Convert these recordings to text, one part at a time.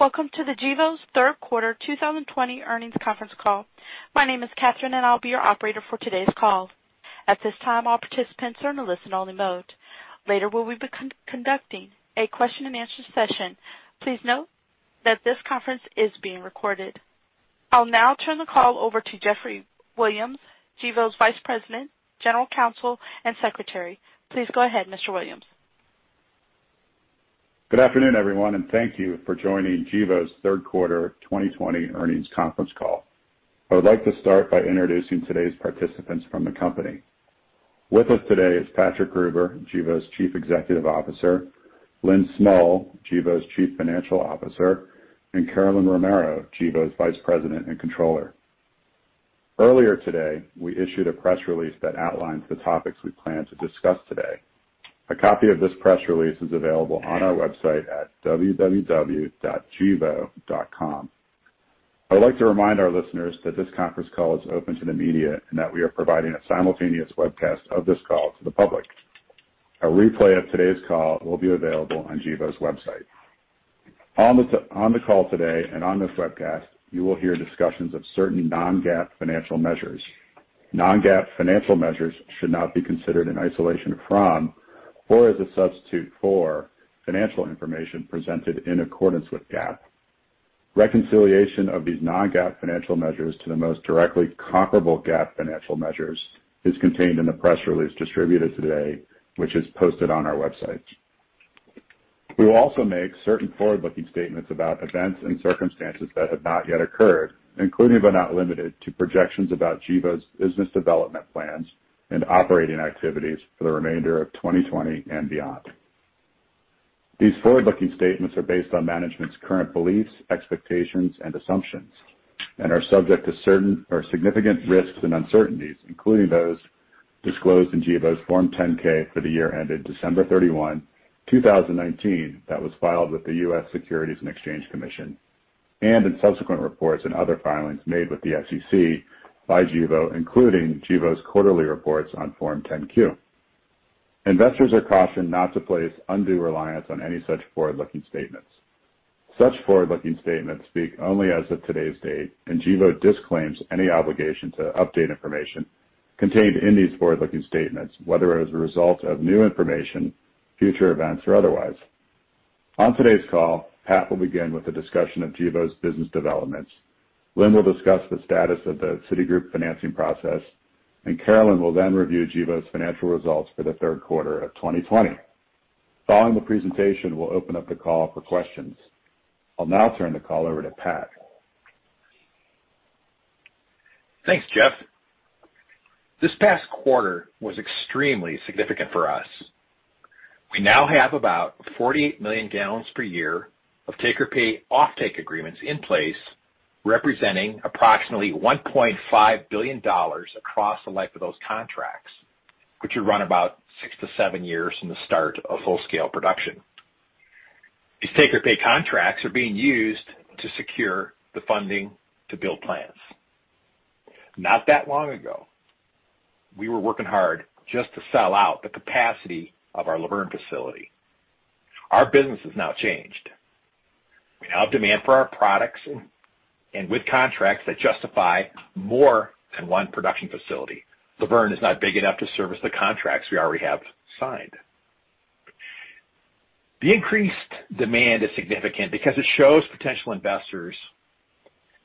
Welcome to the Gevo's third quarter 2020 earnings conference call. My name is Catherine, and I'll be your operator for today's call. At this time, all participants are in a listen-only mode. Later, we'll be conducting a question-and-answer session. Please note that this conference is being recorded. I'll now turn the call over to Geoffrey Williams, Gevo's Vice President, General Counsel, and Secretary. Please go ahead, Mr. Williams. Good afternoon, everyone, and thank you for joining Gevo's third quarter 2020 earnings conference call. I would like to start by introducing today's participants from the company. With us today is Patrick Gruber, Gevo's Chief Executive Officer; Lynn Smull, Gevo's Chief Financial Officer; and Carolyn Romero, Gevo's Vice President and Controller. Earlier today, we issued a press release that outlines the topics we plan to discuss today. A copy of this press release is available on our website at www.gevo.com. I would like to remind our listeners that this conference call is open to the media, and that we are providing a simultaneous webcast of this call to the public. A replay of today's call will be available on Gevo's website. On the call today and on this webcast, you will hear discussions of certain non-GAAP financial measures. Non-GAAP financial measures should not be considered in isolation from or as a substitute for financial information presented in accordance with GAAP. Reconciliation of these non-GAAP financial measures to the most directly comparable GAAP financial measures is contained in the press release distributed today, which is posted on our website. We will also make certain forward-looking statements about events and circumstances that have not yet occurred, including but not limited to projections about Gevo's business development plans and operating activities for the remainder of 2020 and beyond. These forward-looking statements are based on management's current beliefs, expectations, and assumptions and are subject to certain or significant risks and uncertainties, including those disclosed in Gevo's Form 10-K for the year ended December 31, 2019, that was filed with the U.S. Securities and Exchange Commission and in subsequent reports and other filings made with the SEC by Gevo, including Gevo's quarterly reports on Form 10-Q. Investors are cautioned not to place undue reliance on any such forward-looking statements. Such forward-looking statements speak only as of today's date. Gevo disclaims any obligation to update information contained in these forward-looking statements, whether as a result of new information, future events, or otherwise. On today's call, Pat will begin with a discussion of Gevo's business developments. Lynn will discuss the status of the Citigroup financing process, Carolyn will then review Gevo's financial results for the third quarter of 2020. Following the presentation, we'll open up the call for questions. I'll now turn the call over to Pat. Thanks, Geoff. This past quarter was extremely significant for us. We now have about 48 million gallons per year of take-or-pay offtake agreements in place, representing approximately $1.5 billion across the life of those contracts, which will run about six to seven years from the start of full-scale production. These take-or-pay contracts are being used to secure the funding to build plants. Not that long ago, we were working hard just to sell out the capacity of our Luverne facility. Our business has now changed. We now have demand for our products and with contracts that justify more than one production facility. Luverne is not big enough to service the contracts we already have signed. The increased demand is significant because it shows potential investors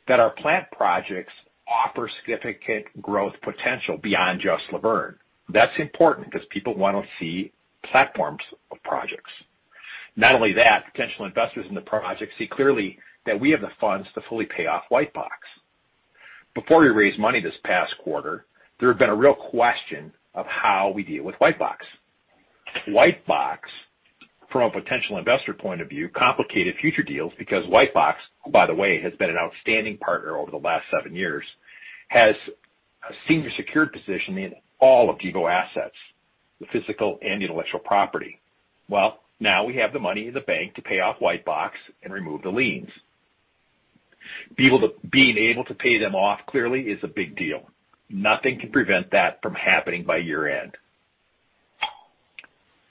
that our plant projects offer significant growth potential beyond just Luverne. That's important because people want to see platforms of projects. Not only that, potential investors in the project see clearly that we have the funds to fully pay off Whitebox. Before we raised money this past quarter, there had been a real question of how we deal with Whitebox. Whitebox, from a potential investor point of view, complicated future deals because Whitebox, who by the way, has been an outstanding partner over the last seven years, has a senior secured position in all of Gevo assets, the physical and intellectual property. Well, now we have the money in the bank to pay off Whitebox and remove the liens. Being able to pay them off clearly is a big deal. Nothing can prevent that from happening by year-end.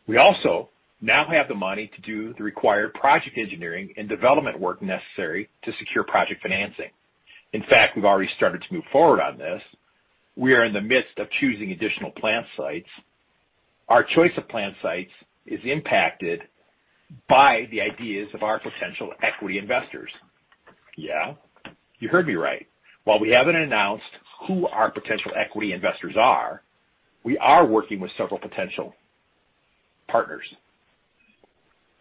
We also now have the money to do the required project engineering and development work necessary to secure project financing. In fact, we've already started to move forward on this. We are in the midst of choosing additional plant sites. Our choice of plant sites is impacted by the ideas of our potential equity investors. Yeah, you heard me right. While we haven't announced who our potential equity investors are, we are working with several potential partners.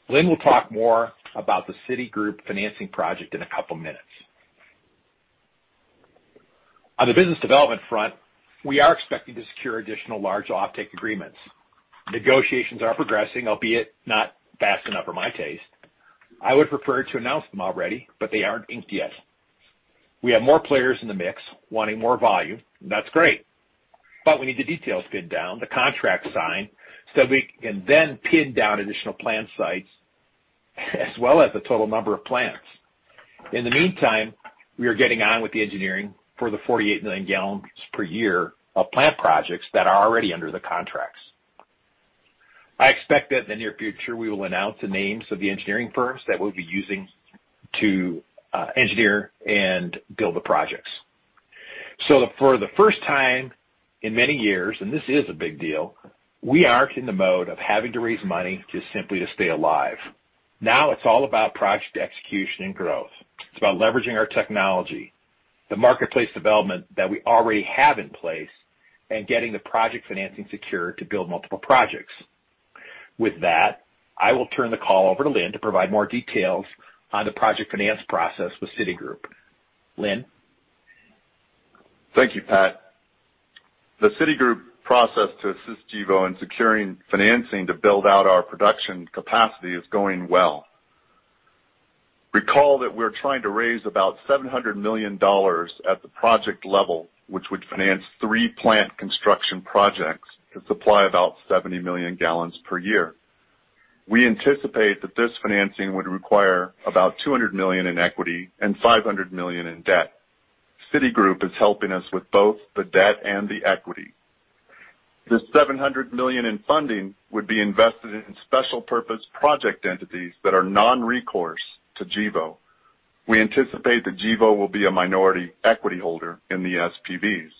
Lynn will talk more about the Citigroup financing project in a couple of minutes. On the business development front, we are expecting to secure additional large offtake agreements. Negotiations are progressing, albeit not fast enough for my taste. I would prefer to announce them already, but they aren't inked yet. We have more players in the mix wanting more volume, and that's great. We need the details pinned down, the contract signed, so we can then pin down additional plant sites as well as the total number of plants. In the meantime, we are getting on with the engineering for the 48 million gallons per year of plant projects that are already under the contracts. I expect that in the near future, we will announce the names of the engineering firms that we'll be using to engineer and build the projects. For the first time in many years, and this is a big deal, we aren't in the mode of having to raise money just simply to stay alive. Now, it's all about project execution and growth. It's about leveraging our technology, the marketplace development that we already have in place, and getting the project financing secured to build multiple projects. With that, I will turn the call over to Lynn to provide more details on the project finance process with Citigroup. Lynn? Thank you, Pat. The Citigroup process to assist Gevo in securing financing to build out our production capacity is going well. Recall that we're trying to raise about $700 million at the project level, which would finance three plant construction projects to supply about 70 million gallons per year. We anticipate that this financing would require about $200 million in equity and $500 million in debt. Citigroup is helping us with both the debt and the equity. This $700 million in funding would be invested in special purpose project entities that are non-recourse to Gevo. We anticipate that Gevo will be a minority equity holder in the SPVs.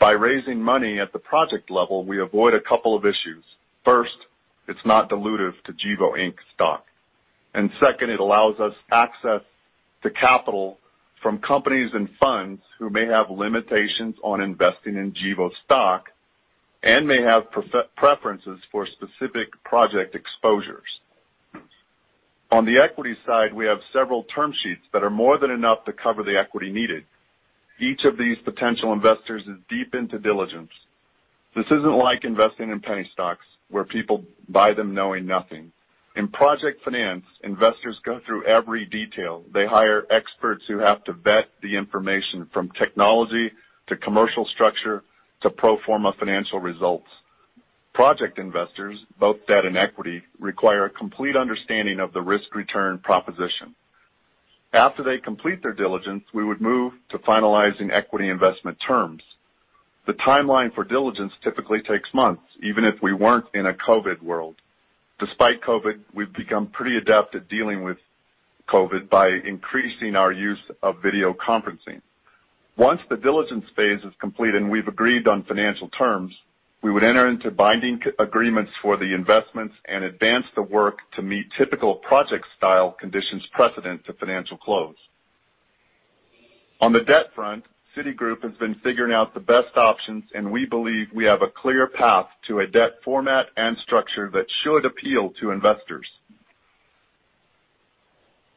By raising money at the project level, we avoid a couple of issues. First, it's not dilutive to Gevo, Inc stock. Second, it allows us access to capital from companies and funds who may have limitations on investing in Gevo stock and may have preferences for specific project exposures. On the equity side, we have several term sheets that are more than enough to cover the equity needed. Each of these potential investors is deep into diligence. This isn't like investing in penny stocks where people buy them knowing nothing. In project finance, investors go through every detail. They hire experts who have to vet the information from technology to commercial structure to pro forma financial results. Project investors, both debt and equity, require a complete understanding of the risk-return proposition. After they complete their diligence, we would move to finalizing equity investment terms. The timeline for diligence typically takes months, even if we weren't in a COVID world. Despite COVID, we've become pretty adept at dealing with COVID by increasing our use of video conferencing. Once the diligence phase is complete and we've agreed on financial terms, we would enter into binding agreements for the investments and advance the work to meet typical project style conditions precedent to financial close. On the debt front, Citigroup has been figuring out the best options, and we believe we have a clear path to a debt format and structure that should appeal to investors.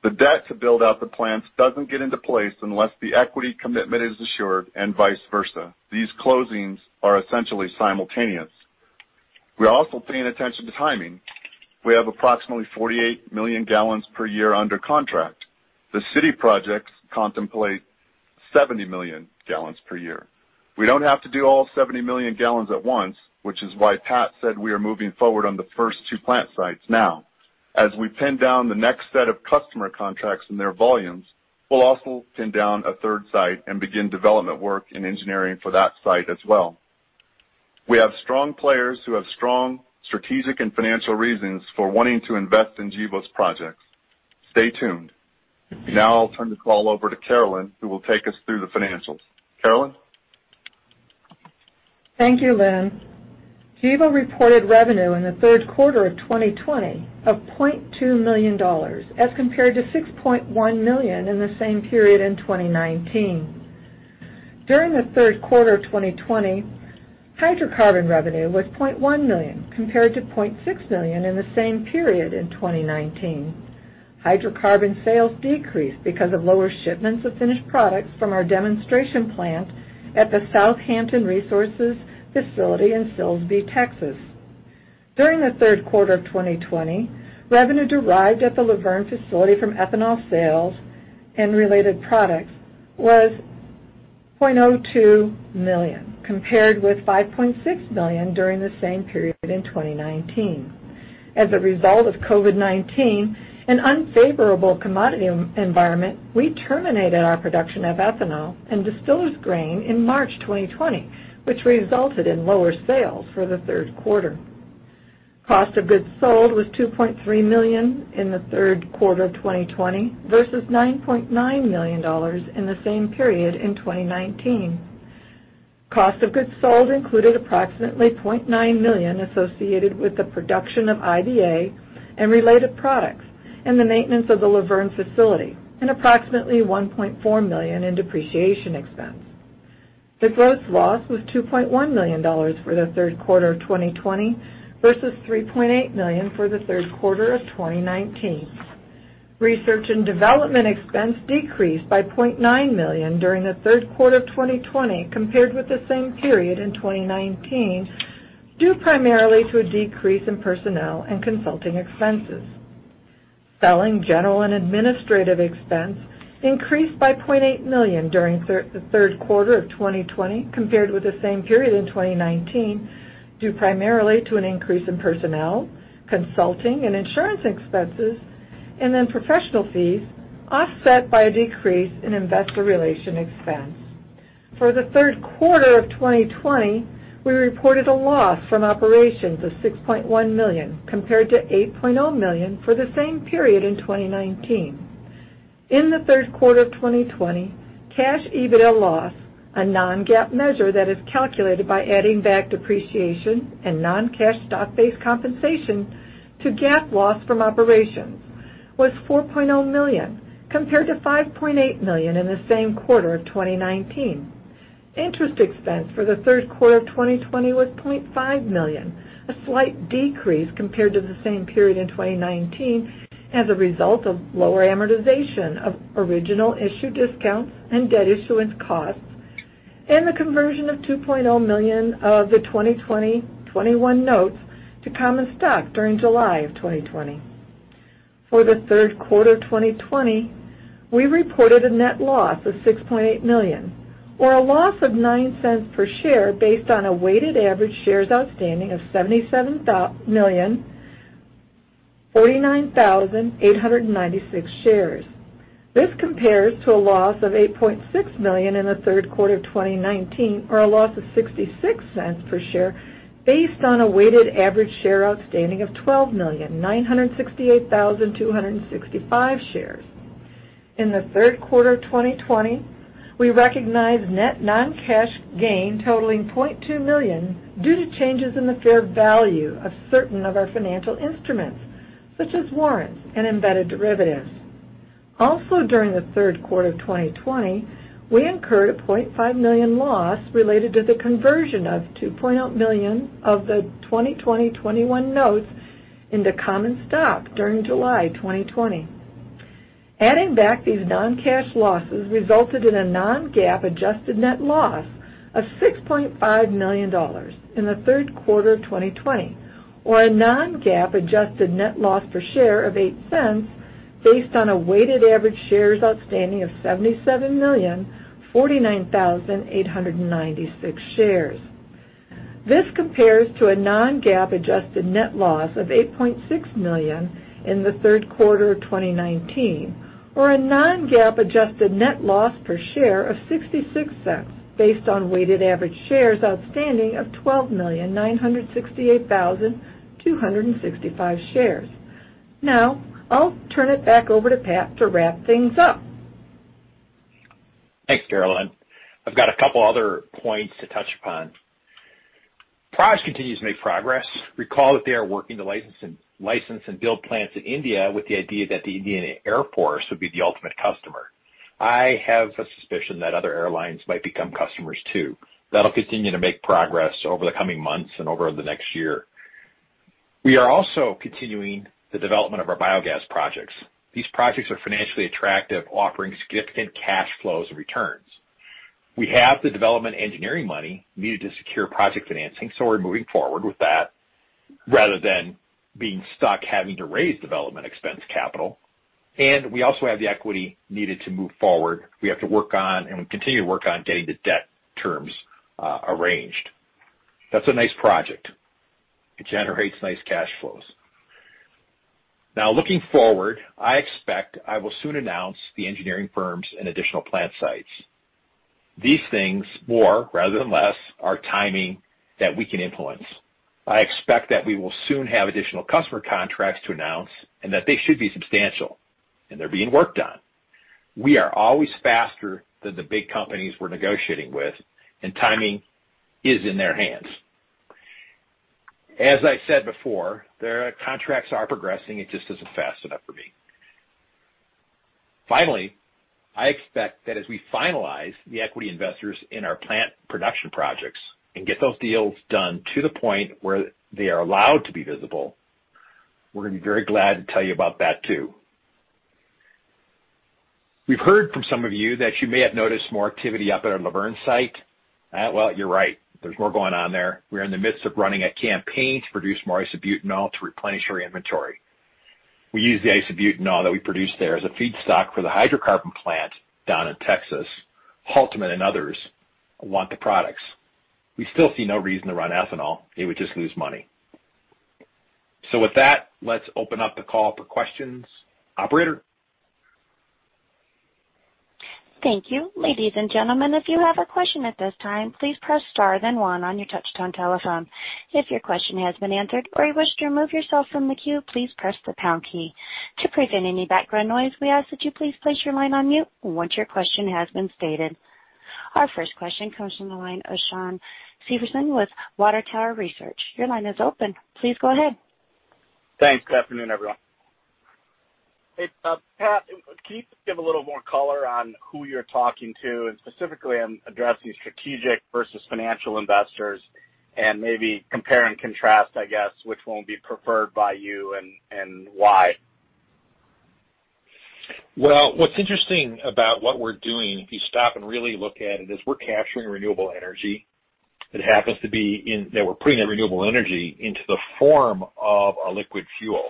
The debt to build out the plans doesn't get into place unless the equity commitment is assured and vice versa. These closings are essentially simultaneous. We're also paying attention to timing. We have approximately 48 million gallons per year under contract. The Citi projects contemplate 70 million gallons per year. We don't have to do all 70 million gallons at once, which is why Pat said we are moving forward on the first two plant sites now. As we pin down the next set of customer contracts and their volumes, we'll also pin down a third site and begin development work and engineering for that site as well. We have strong players who have strong strategic and financial reasons for wanting to invest in Gevo's projects. Stay tuned. Now I'll turn the call over to Carolyn, who will take us through the financials. Carolyn? Thank you, Lynn. Gevo reported revenue in the third quarter of 2020 of $0.2 million as compared to $6.1 million in the same period in 2019. During the third quarter of 2020, hydrocarbon revenue was $0.1 million compared to $0.6 million in the same period in 2019. Hydrocarbon sales decreased because of lower shipments of finished products from our demonstration plant at the South Hampton Resources facility in Silsbee, Texas. During the third quarter of 2020, revenue derived at the Luverne facility from ethanol sales and related products was $0.02 million, compared with $5.6 million during the same period in 2019. As a result of COVID-19, an unfavorable commodity environment, we terminated our production of ethanol and distillers grains in March 2020, which resulted in lower sales for the third quarter. Cost of goods sold was $2.3 million in the third quarter of 2020 versus $9.9 million in the same period in 2019. Cost of goods sold included approximately $0.9 million associated with the production of IBA and related products and the maintenance of the Luverne facility, and approximately $1.4 million in depreciation expense. The gross loss was $2.1 million for the third quarter of 2020 versus $3.8 million for the third quarter of 2019. Research and development expense decreased by $0.9 million during the third quarter of 2020 compared with the same period in 2019, due primarily to a decrease in personnel and consulting expenses. Selling, general, and administrative expense increased by $0.8 million during the third quarter of 2020 compared with the same period in 2019, due primarily to an increase in personnel, consulting, and insurance expenses, and in professional fees, offset by a decrease in investor relation expense. For the third quarter of 2020, we reported a loss from operations of $6.1 million compared to $8.0 million for the same period in 2019. In the third quarter of 2020, cash EBITDA loss, a non-GAAP measure that is calculated by adding back depreciation and non-cash stock-based compensation to GAAP loss from operations, was $4.0 million, compared to $5.8 million in the same quarter of 2019. Interest expense for the third quarter of 2020 was $0.5 million, a slight decrease compared to the same period in 2019 as a result of lower amortization of original issue discounts and debt issuance costs, and the conversion of $2.0 million of the 2020-2021 notes to common stock during July of 2020. For the third quarter of 2020, we reported a net loss of $6.8 million, or a loss of $0.09 per share based on a weighted average shares outstanding of 77,049,896 shares. This compares to a loss of $8.6 million in the third quarter of 2019, or a loss of $0.66 per share based on a weighted average share outstanding of 12,968,265 shares. In the third quarter of 2020, we recognized net non-cash gain totaling $0.2 million due to changes in the fair value of certain of our financial instruments, such as warrants and embedded derivatives. Also, during the third quarter of 2020, we incurred a $0.5 million loss related to the conversion of $2.0 million of the 2020-2021 notes into common stock during July 2020. Adding back these non-cash losses resulted in a non-GAAP adjusted net loss of $6.5 million in the third quarter of 2020, or a non-GAAP adjusted net loss per share of $0.08 based on a weighted average shares outstanding of 77,049,896 shares. This compares to a non-GAAP adjusted net loss of $8.6 million in the third quarter of 2019, or a non-GAAP adjusted net loss per share of $0.66 based on weighted average shares outstanding of 12,968,265 shares. Now, I'll turn it back over to Pat to wrap things up. Thanks, Carolyn. I've got a couple other points to touch upon. Praj continues to make progress. Recall that they are working to license and build plants in India with the idea that the Indian Air Force would be the ultimate customer. I have a suspicion that other airlines might become customers too. That'll continue to make progress over the coming months and over the next year. We are also continuing the development of our biogas projects. These projects are financially attractive, offering significant cash flows and returns. We have the development engineering money needed to secure project financing, so we're moving forward with that rather than being stuck having to raise development expense capital. We also have the equity needed to move forward. We have to work on and we continue to work on getting the debt terms arranged. That's a nice project. It generates nice cash flows. Now, looking forward, I expect I will soon announce the engineering firms and additional plant sites. These things more rather than less are timing that we can influence. I expect that we will soon have additional customer contracts to announce and that they should be substantial, and they're being worked on. We are always faster than the big companies we're negotiating with, and timing is in their hands. As I said before, their contracts are progressing. It just isn't fast enough for me. Finally, I expect that as we finalize the equity investors in our plant production projects and get those deals done to the point where they are allowed to be visible, we're going to be very glad to tell you about that too. We've heard from some of you that you may have noticed more activity up at our Luverne site. Well, you're right. There's more going on there. We're in the midst of running a campaign to produce more isobutanol to replenish our inventory. We use the isobutanol that we produce there as a feedstock for the hydrocarbon plant down in Texas. Haltermann and others want the products. We still see no reason to run ethanol. It would just lose money. With that, let's open up the call for questions. Operator? Thank you. Ladies and gentlemen, if you have a question at this time, please press star then one on your touch-tone telephone. If your question has been answered or you wish to remove yourself from the queue, please press the pound key. To prevent any background noise, we ask that you please place your line on mute once your question has been stated. Our first question comes from the line of Shawn Severson with Water Tower Research. Your line is open. Please go ahead. Thanks. Good afternoon, everyone. Hey, Pat, can you give a little more color on who you're talking to and specifically on addressing strategic versus financial investors? Maybe compare and contrast, I guess, which one would be preferred by you and why? Well, what's interesting about what we're doing, if you stop and really look at it, is we're capturing renewable energy that happens to be in... That we're putting that renewable energy into the form of a liquid fuel.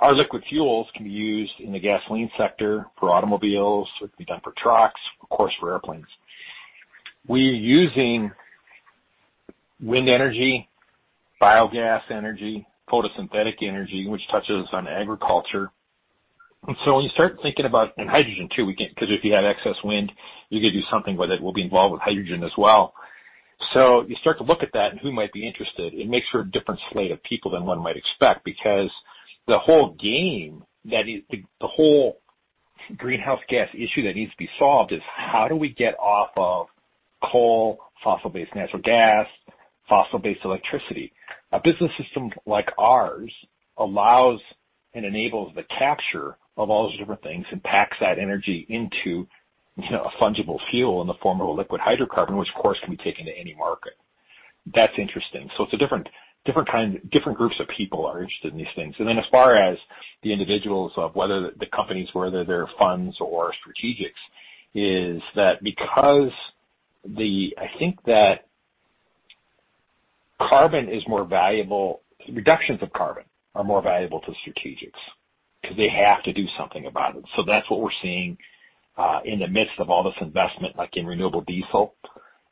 Our liquid fuels can be used in the gasoline sector for automobiles. It can be done for trucks. Of course, for airplanes. We are using wind energy, biogas energy, photosynthetic energy, which touches on agriculture. When you start thinking about hydrogen too, because if you have excess wind, you could do something with it. We'll be involved with hydrogen as well. You start to look at that and who might be interested. It makes for a different slate of people than one might expect, because the whole game, the whole greenhouse gas issue that needs to be solved is how do we get off of coal, fossil-based natural gas, fossil-based electricity? A business system like ours allows and enables the capture of all those different things and packs that energy into a fungible fuel in the form of a liquid hydrocarbon, which of course, can be taken to any market. That's interesting. It's different kind, different groups of people are interested in these things. As far as the individuals of whether the companies, whether they're funds or strategics, is that because I think that reductions of carbon are more valuable to strategics because they have to do something about it. That's what we're seeing in the midst of all this investment, like in renewable diesel.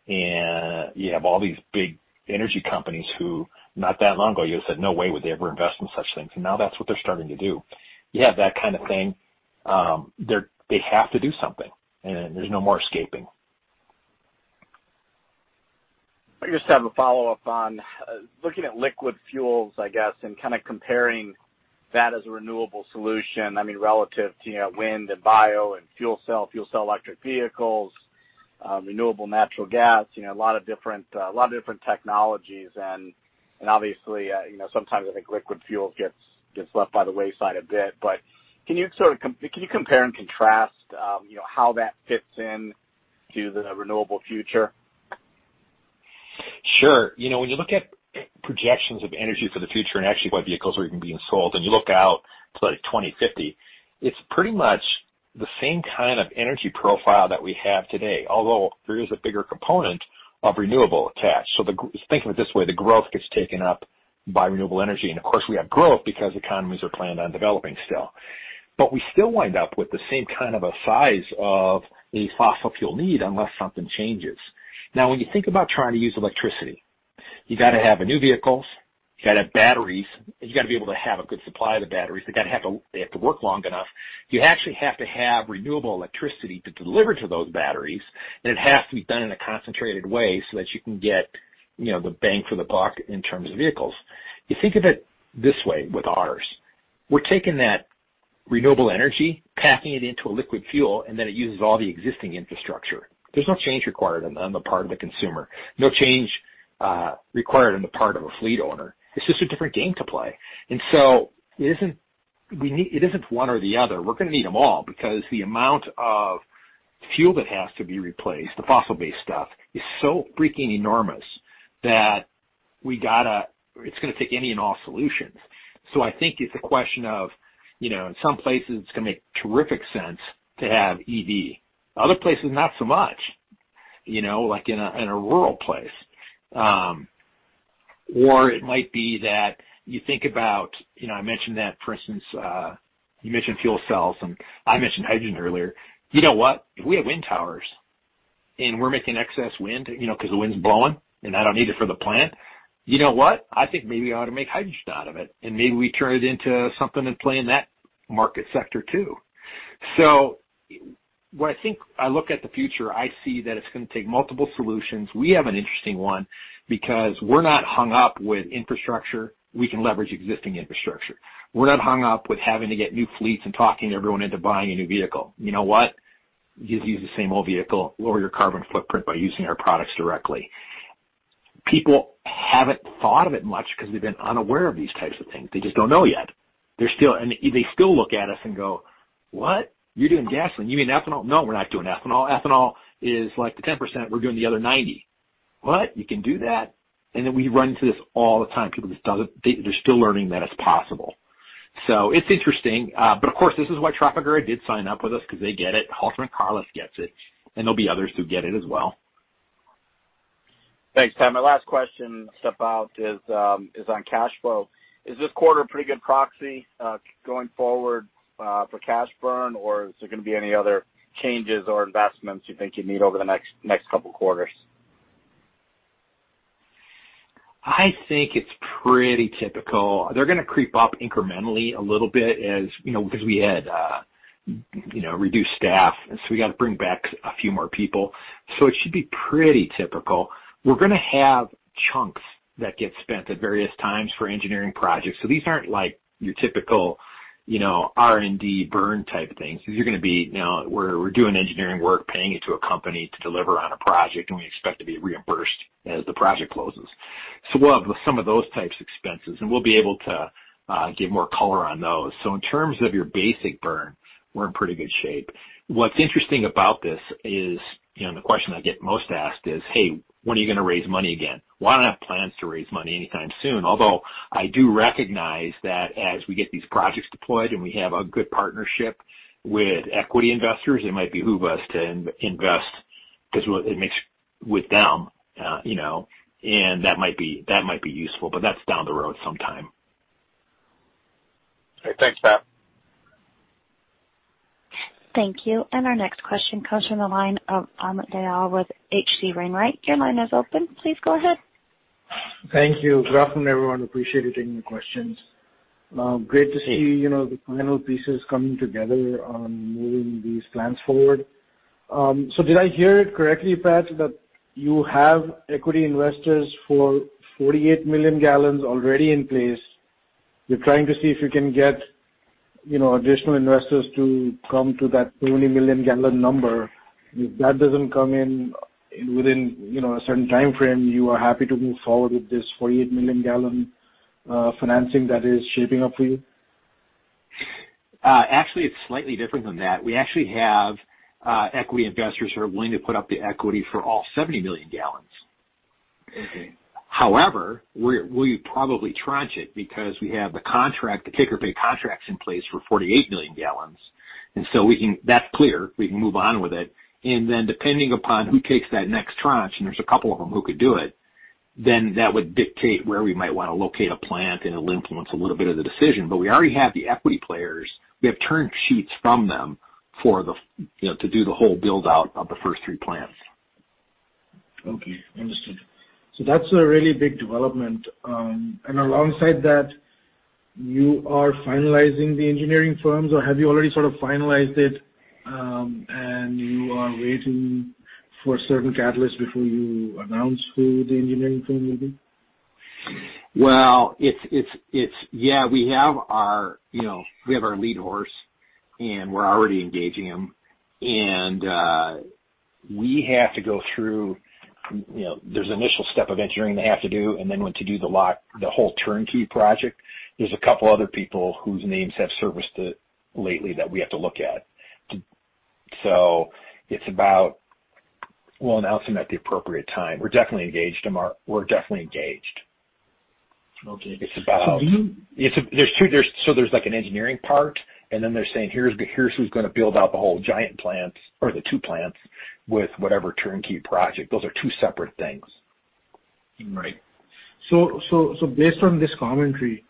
You have all these big energy companies who, not that long ago, you would've said, no way would they ever invest in such things. Now that's what they're starting to do. You have that kind of thing. They have to do something, and there's no more escaping. I just have a follow-up on looking at liquid fuels, I guess, and kind of comparing that as a renewable solution, relative to wind and bio and fuel cell, fuel cell electric vehicles, renewable natural gas. A lot of different technologies and obviously, sometimes I think liquid fuel gets left by the wayside a bit. Can you compare and contrast how that fits into the renewable future? Sure. When you look at projections of energy for the future and actually what vehicles are even being sold, and you look out to, like, 2050, it is pretty much the same kind of energy profile that we have today. Although, there is a bigger component of renewable attached. Think of it this way, the growth gets taken up by renewable energy. Of course, we have growth because economies are planned on developing still. We still wind up with the same kind of a size of a fossil fuel need unless something changes. Now, when you think about trying to use electricity, you got to have new vehicles, you got to have batteries, you got to be able to have a good supply of the batteries. They have to work long enough. You actually have to have renewable electricity to deliver to those batteries, and it has to be done in a concentrated way so that you can get the bang for the buck in terms of vehicles. You think of it this way with ours. We're taking that renewable energy, packing it into a liquid fuel, and then it uses all the existing infrastructure. There's no change required on the part of the consumer. No change required on the part of a fleet owner. It's just a different game to play. It isn't one or the other. We're going to need them all because the amount of fuel that has to be replaced, the fossil-based stuff, is so freaking enormous that it's going to take any and all solutions. I think it's a question of in some places, it's going to make terrific sense to have EV. Other places, not so much, like in a rural place. It might be that you think about, I mentioned that, for instance you mentioned fuel cells, and I mentioned hydrogen earlier. You know what? If we have wind towers and we're making excess wind, because the wind's blowing. I don't need it for the plant, you know what? I think maybe we ought to make hydrogen out of it. Maybe we turn it into something and play in that market sector, too. When I look at the future, I see that it's going to take multiple solutions. We have an interesting one because we're not hung up with infrastructure. We can leverage existing infrastructure. We're not hung up with having to get new fleets and talking everyone into buying a new vehicle. You know what? You can use the same old vehicle, lower your carbon footprint by using our products directly. People haven't thought of it much because they've been unaware of these types of things. They just don't know yet. They still look at us and go, "What? You're doing gasoline. You mean ethanol?" No, we're not doing ethanol. Ethanol is, like, the 10%. We're doing the other 90%. "What? You can do that?" We run into this all the time. People, they're still learning that it's possible. It's interesting. This is why Trafigura did sign up with us because they get it. Haltermann Carless gets it, and there'll be others who get it as well. Thanks, Pat. My last question to step out is on cash flow. Is this quarter a pretty good proxy going forward for cash burn, or is there going to be any other changes or investments you think you need over the next couple of quarters? I think it's pretty typical. They're going to creep up incrementally a little bit as because we had reduced staff, and so we got to bring back a few more people. It should be pretty typical. We're going to have chunks that get spent at various times for engineering projects. These aren't like your typical R&D burn type of things, because we're doing engineering work, paying it to a company to deliver on a project, and we expect to be reimbursed as the project closes. We'll have some of those types of expenses, and we'll be able to give more color on those. In terms of your basic burn, we're in pretty good shape. What's interesting about this is the question I get most asked is, "Hey, when are you going to raise money again?" Well, I don't have plans to raise money anytime soon. Although, I do recognize that as we get these projects deployed and we have a good partnership with equity investors, it might behoove us to invest with them. That might be useful, but that's down the road sometime. Okay. Thanks, Pat. Thank you. Our next question comes from the line of Amit Dayal with H.C. Wainwright. Your line is open. Please go ahead. Thank you. Good afternoon, everyone. Appreciate you taking the questions. Great to see the final pieces coming together on moving these plans forward. Did I hear it correctly, Pat, that you have equity investors for 48 million gallons already in place? You're trying to see if you can get additional investors to come to that 20 million gallon number. If that doesn't come in within a certain time frame, you are happy to move forward with this 48 million gallon financing that is shaping up for you? Actually, it's slightly different than that. We actually have equity investors who are willing to put up the equity for all 70 million gallons. Okay. We probably tranche it because we have the contract, the take-or-pay contracts in place for 48 million gallons. That's clear. We can move on with it. Depending upon who takes that next tranche, and there's a couple of them who could do it, then that would dictate where we might want to locate a plant. It'll influence a little bit of the decision. We already have the equity players. We have term sheets from them to do the whole build-out of the first three plants. Okay. Understood. That's a really big development. Alongside that, you are finalizing the engineering firms, or have you already sort of finalized it, and you are waiting for a certain catalyst before you announce who the engineering firm will be? Well, we have our lead horse, and we're already engaging them. There's an initial step of engineering they have to do, and then when to do the whole turnkey project. There's a couple other people whose names have surfaced lately that we have to look at. We'll announce them at the appropriate time. We're definitely engaged. Okay. There's like an engineering part, and then they're saying, "Here's who's going to build out the whole giant plants or the two plants with whatever turnkey project." Those are two separate things. Right. based on this commentary,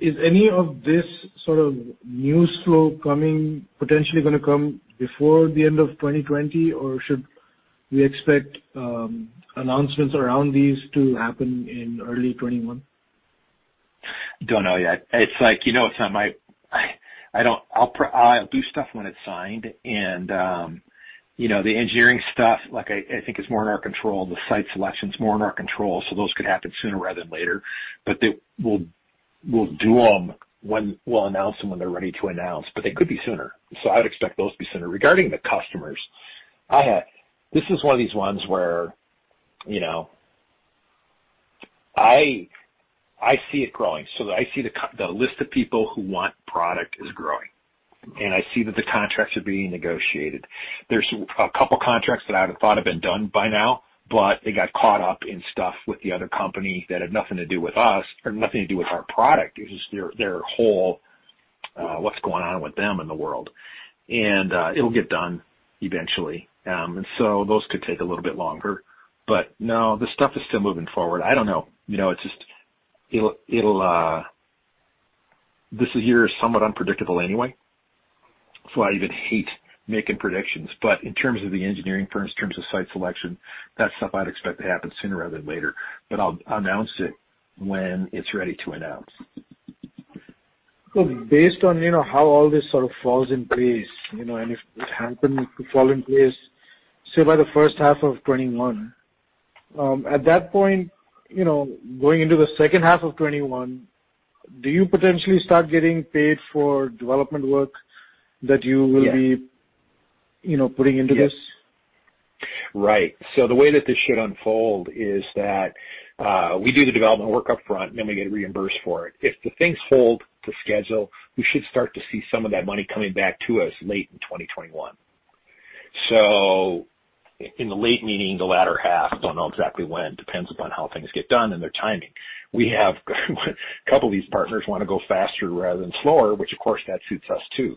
is any of this sort of news flow potentially going to come before the end of 2020? Or should we expect announcements around these to happen in early 2021? Don't know yet. I'll do stuff when it's signed, and the engineering stuff, I think is more in our control. The site selection's more in our control. Those could happen sooner rather than later. We'll do them, we'll announce them when they're ready to announce. They could be sooner. I would expect those to be sooner. Regarding the customers, this is one of these ones where I see it growing. I see the list of people who want product is growing. I see that the contracts are being negotiated. There's a couple of contracts that I would have thought have been done by now, but they got caught up in stuff with the other company that had nothing to do with us, or nothing to do with our product. It was just their whole, what's going on with them in the world. It'll get done eventually. Those could take a little bit longer. No, this stuff is still moving forward. I don't know. This year is somewhat unpredictable anyway, so I even hate making predictions. In terms of the engineering firms, in terms of site selection, that's stuff I'd expect to happen sooner rather than later. I'll announce it when it's ready to announce. Based on how all this sort of falls in place, and if it happens to fall in place, say, by the first half of 2021. At that point, going into the second half of 2021, do you potentially start getting paid for development work- Yeah.... that you will be putting into this? Yes. Right. The way that this should unfold is that we do the development work upfront, and then we get reimbursed for it. If the things hold to schedule, we should start to see some of that money coming back to us late in 2021. In the late meaning, the latter half, don't know exactly when, depends upon how things get done and their timing. We have a couple of these partners want to go faster rather than slower, which of course, that suits us too.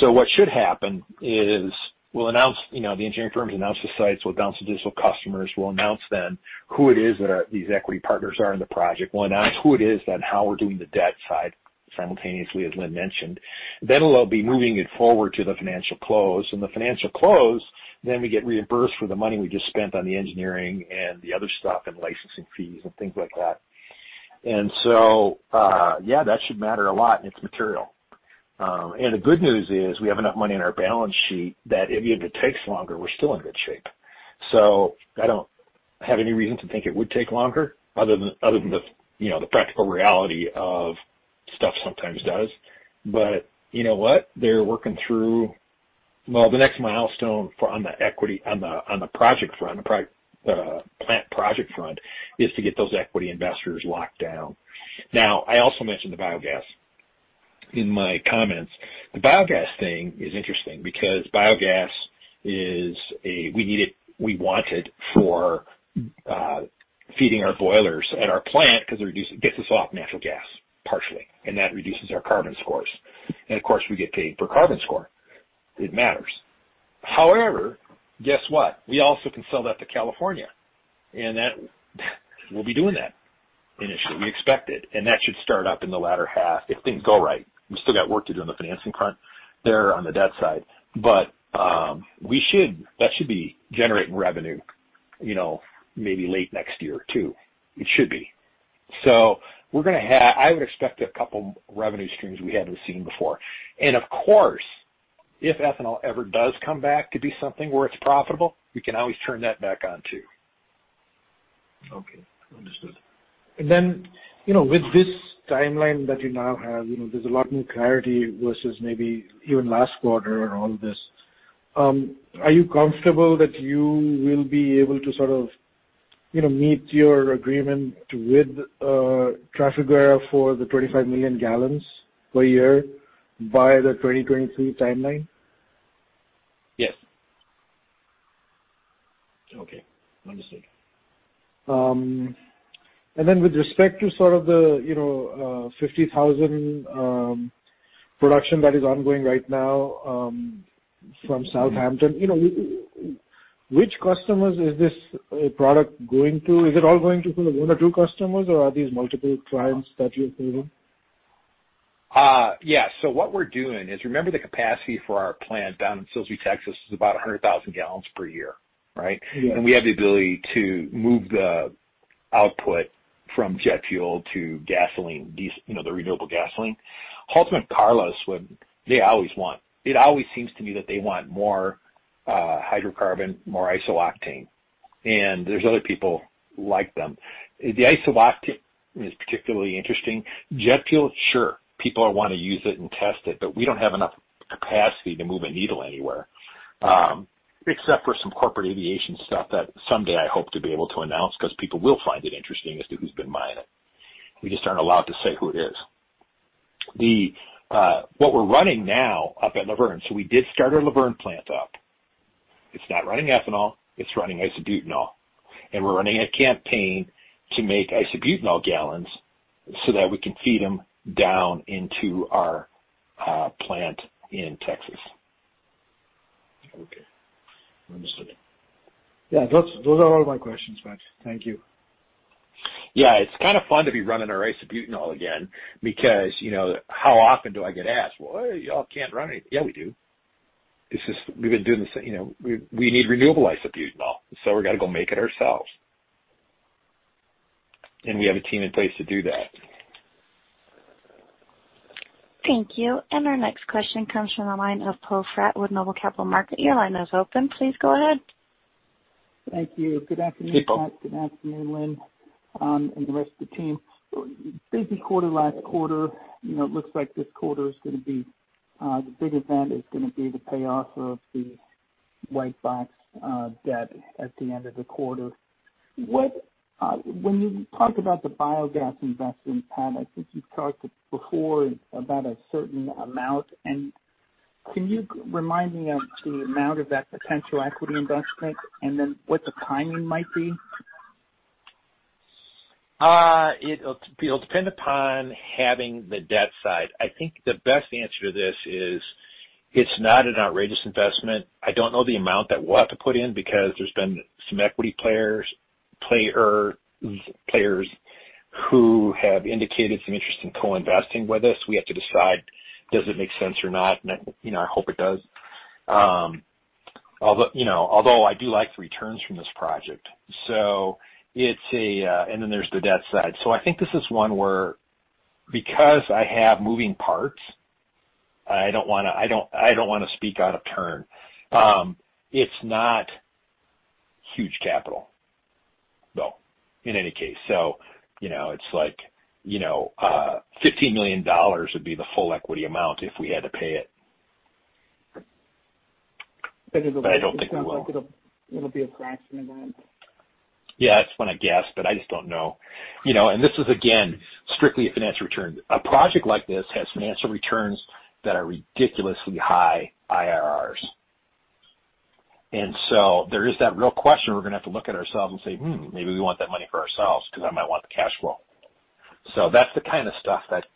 What should happen is we'll announce, the engineering firms announce the sites. We'll announce the additional customers. We'll announce then who it is that these equity partners are in the project. We'll announce who it is, then how we're doing the debt side simultaneously, as Lynn mentioned. We'll be moving it forward to the financial close. In the financial close, we get reimbursed for the money we just spent on the engineering and the other stuff, and licensing fees, and things like that. Yeah, that should matter a lot, and it's material. The good news is we have enough money in our balance sheet that even if it takes longer, we're still in good shape. I don't have any reason to think it would take longer other than the practical reality of stuff sometimes does. You know what? They're working through, well, the next milestone on the project front, the plant project front, is to get those equity investors locked down. I also mentioned the biogas in my comments. The biogas thing is interesting because biogas is, we want it for feeding our boilers at our plant because it gets us off natural gas partially, and that reduces our carbon scores. Of course, we get paid per carbon score. It matters. However, guess what? We also can sell that to California, and we'll be doing that initially. We expect it. That should start up in the latter half if things go right. We still got work to do on the financing front there on the debt side. That should be generating revenue maybe late next year, too. It should be. I would expect a couple revenue streams we haven't seen before. Of course, if ethanol ever does come back to be something where it's profitable, we can always turn that back on, too. Okay. Understood. With this timeline that you now have, there's a lot more clarity versus maybe even last quarter on all this. Are you comfortable that you will be able to sort of meet your agreement with Trafigura for the 25 million gallons per year by the 2023 timeline? Yes. Okay. Understood. With respect to sort of the 50,000 production that is ongoing right now from South Hampton, which customers is this product going to? Is it all going to one or two customers or are these multiple clients that you're serving? Yeah. What we're doing is, remember the capacity for our plant down in Silsbee, Texas, is about 100,000 gal per year, right? Yes. We have the ability to move the output from jet fuel to gasoline, the renewable gasoline. Haltermann Carless, it always seems to me that they want more hydrocarbon, more isooctane. There's other people like them. The isooctane is particularly interesting. Jet fuel, sure. People want to use it and test it. We don't have enough capacity to move a needle anywhere. Except for some corporate aviation stuff that someday I hope to be able to announce because people will find it interesting as to who's been buying it. We just aren't allowed to say who it is. What we're running now up at Luverne, so we did start our Luverne plant up. It's not running ethanol. It's running isobutanol. We're running a campaign to make isobutanol gallons so that we can feed them down into our plant in Texas. Okay. Understood. Those are all my questions, Pat. Thank you. Yeah, it's kind of fun to be running our isobutanol again because how often do I get asked, "Well, y'all can't run it." Yeah, we do. We need renewable isobutanol, so we got to go make it ourselves. We have a team in place to do that. Thank you. Our next question comes from the line of Poe Fratt with NOBLE Capital Markets. Your line is open. Please go ahead. Thank you. Good afternoon, Pat. Hey, Poe. Good afternoon, Lynn, and the rest of the team. Busy quarter last quarter. It looks like this quarter is going to be, the big event is going to be the payoff of the Whitebox debt at the end of the quarter. When you talk about the biogas investment, Pat, I think you've talked before about a certain amount, and can you remind me of the amount of that potential equity investment and then what the timing might be? It'll depend upon having the debt side. I think the best answer to this is it's not an outrageous investment. I don't know the amount that we'll have to put in because there's been some equity players who have indicated some interest in co-investing with us. We have to decide does it make sense or not. I hope it does. Although, I do like the returns from this project. Then there's the debt side. I think this is one where because I have moving parts, I don't want to speak out of turn. It's not huge capital, though, in any case. It's like $15 million would be the full equity amount if we had to pay it. I don't think we will. It sounds like it'll be a fraction of that. Yeah. That's what I guess, but I just don't know. This is, again, strictly a financial return. A project like this has financial returns that are ridiculously high IRRs. There is that real question we're going to have to look at ourselves and say, "Hmm, maybe we want that money for ourselves because I might want the cash flow." That's the kind of stuff that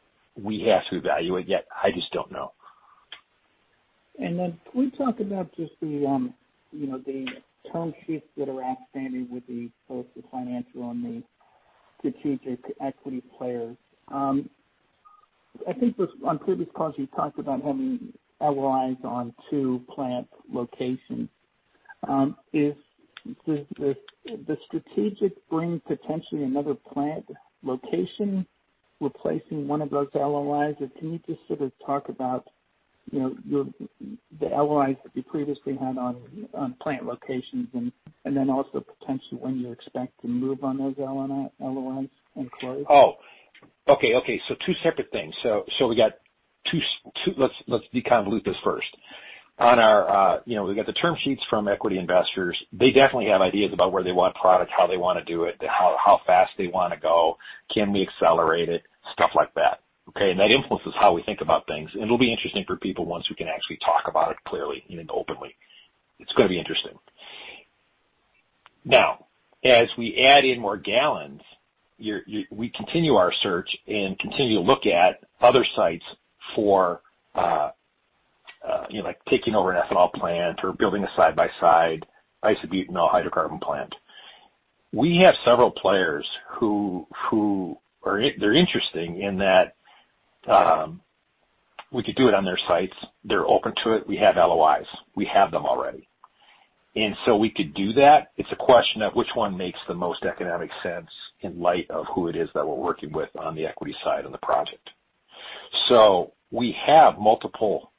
we have to evaluate, yet I just don't know. Can we talk about just the term sheets that are outstanding with both the financial and the strategic equity players? I think on previous calls you talked about having LOIs on two plant locations. Does the strategic bring potentially another plant location replacing one of those LOIs? Can you just sort of talk about the LOIs that you previously had on plant locations and then also potentially when you expect to move on those LOIs and close? Oh, okay. Two separate things. Let's deconvolute this first. We've got the term sheets from equity investors. They definitely have ideas about where they want product, how they want to do it, how fast they want to go, can we accelerate it. Stuff like that. Okay. That influences how we think about things. It'll be interesting for people once we can actually talk about it clearly and openly. It's going to be interesting. As we add in more gallons, we continue our search and continue to look at other sites for taking over an ethanol plant or building a side-by-side isobutanol hydrocarbon plant. We have several players who are interesting in that we could do it on their sites. They're open to it. We have LOIs. We have them already. We could do that. It's a question of which one makes the most economic sense in light of who it is that we're working with on the equity side of the project. We have multiple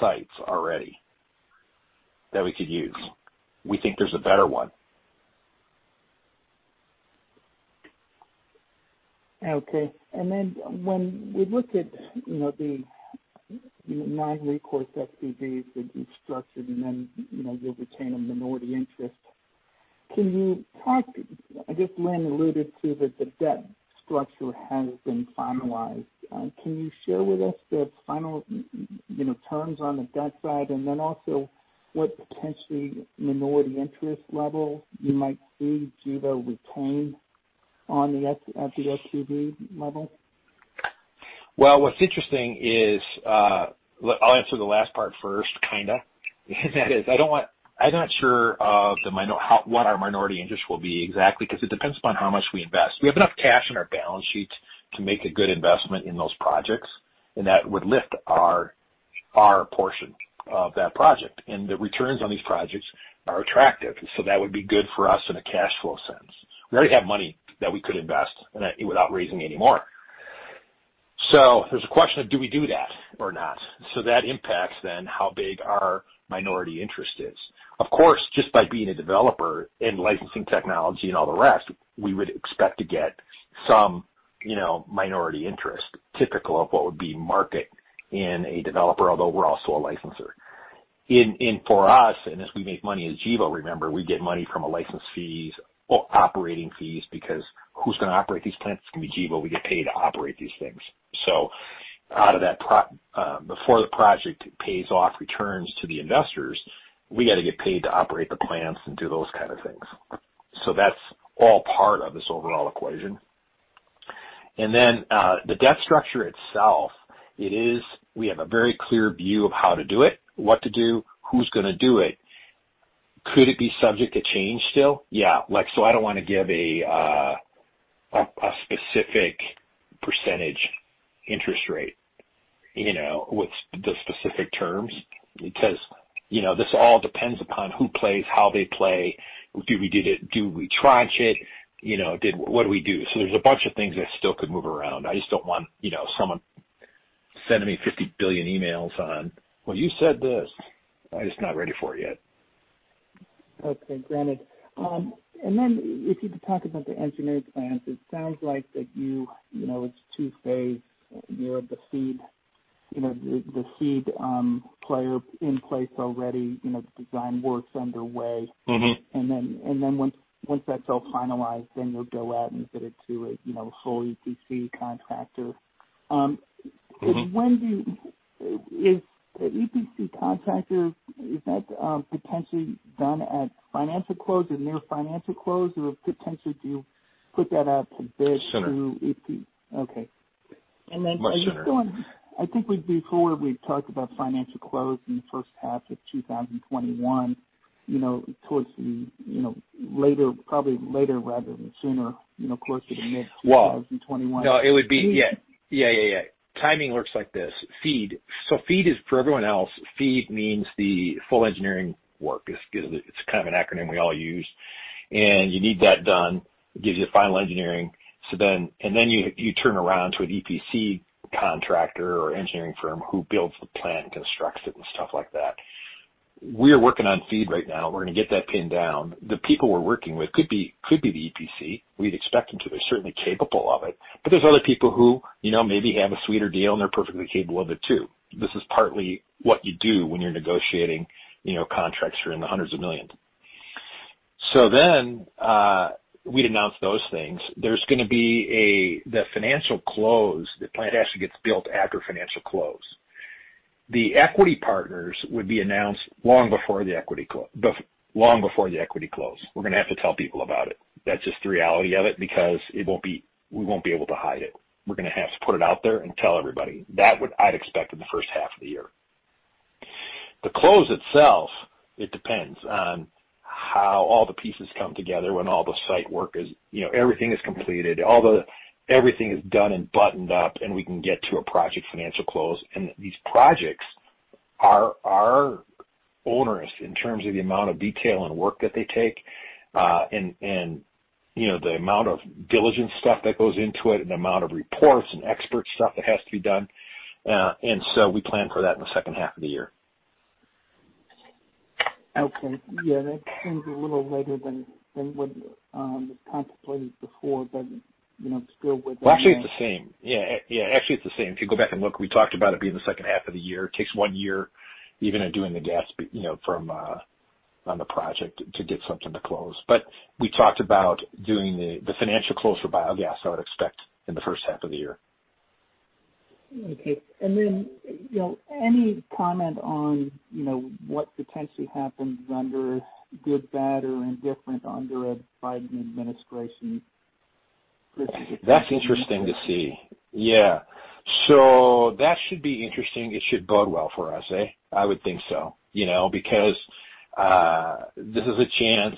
sites already that we could use. We think there's a better one. Okay. When we look at the non-recourse SPVs that you've structured and then you'll retain a minority interest, I guess Lynn alluded to that the debt structure hasn't been finalized. Can you share with us the final terms on the debt side? Also, what potentially minority interest level you might see Gevo retain on the [SPV] level? What's interesting is, I'll answer the last part first, kind of. That is, I'm not sure of what our minority interest will be exactly, because it depends upon how much we invest. We have enough cash on our balance sheet to make a good investment in those projects. That would lift our portion of that project. The returns on these projects are attractive. That would be good for us in a cash flow sense. We already have money that we could invest without raising any more. There's a question of do we do that or not. That impacts how big our minority interest is. Of course, just by being a developer and licensing technology and all the rest, we would expect to get some minority interest typical of what would be market in a developer, although we're also a licensor. For us, as we make money as Gevo, remember, we get money from license fees or operating fees because who's going to operate these plants? It's going to be Gevo. We get paid to operate these things. Before the project pays off returns to the investors, we got to get paid to operate the plants and do those kind of things. That's all part of this overall equation. Then, the debt structure itself. We have a very clear view of how to do it. What to do, who's going to do it. Could it be subject to change still? Yeah. I don't want to give a specific percentage interest rate with the specific terms, because this all depends upon who plays, how they play. Do we tranche it? What do we do? There's a bunch of things that still could move around. I just don't want someone sending me 50 billion emails on, "Well, you said this." I'm just not ready for it yet. Okay. Granted. If you could talk about the engineering plans, it sounds like that it's two-phased. You have the FEED player in place already, the design work's underway. Once that's all finalized, then you'll go out and bid it to a whole EPC contractor. Is the EPC contractor, is that potentially done at financial close or near financial close, or potentially do you put that out to bid? Sooner. Okay. Much sooner. I think before we've talked about financial close in the first half of 2021, probably later rather than sooner, closer to mid-2021-- Yeah. Timing works like this. FEED is, for everyone else, FEED means the full engineering work. It's kind of an acronym we all use. You need that done. It gives you final engineering. You turn around to an EPC contractor or engineering firm who builds the plant, constructs it, and stuff like that. We are working on FEED right now. We're going to get that pinned down. The people we're working with could be the EPC. We'd expect them to, they're certainly capable of it. There's other people who maybe have a sweeter deal, and they're perfectly capable of it, too. This is partly what you do when you are negotiating contracts around hundreds of million. Then, we'd announce those things. There's going to be the financial close. The plant actually gets built after financial close. The equity partners would be announced long before the equity close. We're going to have to tell people about it. That's just the reality of it because we won't be able to hide it. We're going to have to put it out there and tell everybody. That, I'd expect in the first half of the year. The close itself, it depends on how all the pieces come together when everything is completed, everything is done and buttoned up, and we can get to a project financial close. These projects are onerous in terms of the amount of detail and work that they take. The amount of diligence stuff that goes into it, and the amount of reports and expert stuff that has to be done. We plan for that in the second half of the year. Okay. Yeah. That seems a little later than what was contemplated before, but still within range. Well, actually, it's the same. Yeah. Actually, it's the same. If you go back and look, we talked about it being the second half of the year. It takes one year even at doing the gas on the project to get something to close. We talked about doing the financial close for biogas, I would expect in the first half of the year. Okay. Any comment on what potentially happens under good, bad, or indifferent under a Biden administration? That's interesting to see. Yeah. That should be interesting. It should bode well for us, eh? I would think so. This is a chance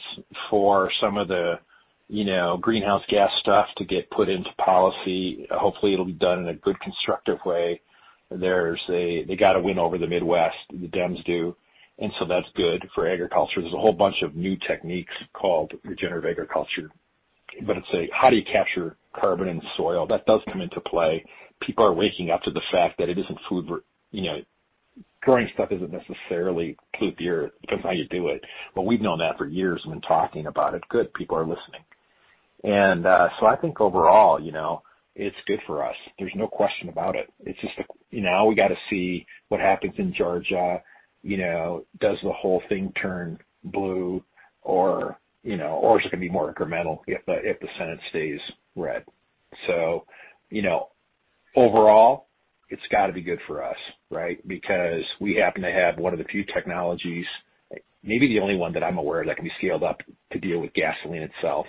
for some of the greenhouse gas stuff to get put into policy. Hopefully, it'll be done in a good, constructive way. They got a win over the Midwest, the Dems do. That's good for agriculture. There's a whole bunch of new techniques called regenerative agriculture. It's a how do you capture carbon in soil? That does come into play. People are waking up to the fact that growing stuff isn't necessarily good for you, depends how you do it. We've known that for years and been talking about it. Good, people are listening. I think overall, it's good for us. There's no question about it. It's just now we got to see what happens in Georgia. Does the whole thing turn blue or is it going to be more incremental if the Senate stays red? Overall, it's got to be good for us, right? Because we happen to have one of the few technologies, maybe the only one that I'm aware of, that can be scaled up to deal with gasoline itself.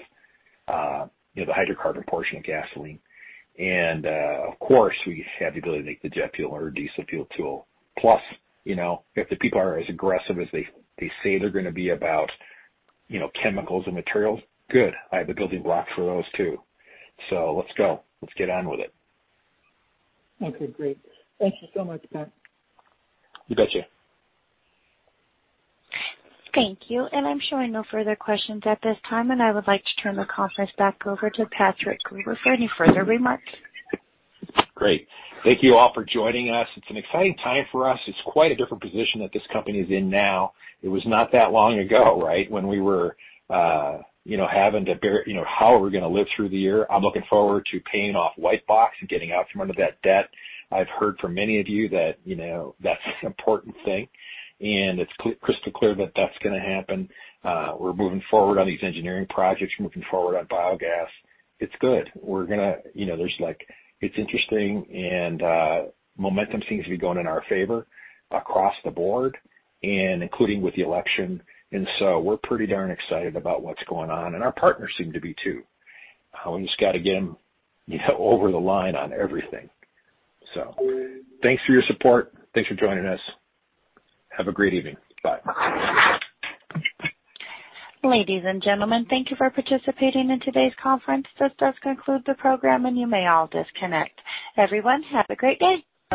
The hydrocarbon portion of gasoline. Of course, we have the ability to make the jet fuel or diesel fuel, too. Plus, if the people are as aggressive as they say they're going to be about chemicals and materials, good. I have the building blocks for those, too. Let's go. Let's get on with it. Okay, great. Thank you so much, Pat. You betcha. Thank you. I'm showing no further questions at this time, and I would like to turn the conference back over to Patrick Gruber for any further remarks. Great. Thank you all for joining us. It's an exciting time for us. It's quite a different position that this company is in now. It was not that long ago, right, when we were having to figure how we're going to live through the year. I'm looking forward to paying off Whitebox and getting out from under that debt. I've heard from many of you that's an important thing, and it's crystal clear that that's going to happen. We're moving forward on these engineering projects, moving forward on biogas. It's good. It's interesting, and momentum seems to be going in our favor across the board and including with the election. We're pretty darn excited about what's going on, and our partners seem to be, too. We just got to get them over the line on everything. Thanks for your support. Thanks for joining us. Have a great evening. Bye. Ladies and gentlemen, thank you for participating in today's conference. This does conclude the program, and you may all disconnect. Everyone, have a great day.